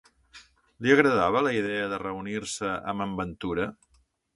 Li agradava la idea de reunir-se amb en Ventura?